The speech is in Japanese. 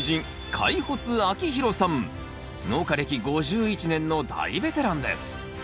農家歴５１年の大ベテランです。